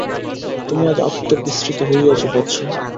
তুমি আজ আত্মবিস্মৃত হইয়াছ বৎস।